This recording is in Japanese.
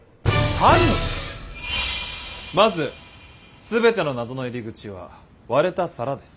まず全ての謎の入り口は割れた皿です。